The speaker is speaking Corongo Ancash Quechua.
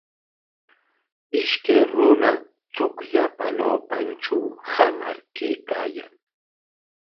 Ishkay runa chukllapa ñawpantraw hamar kaykaayan.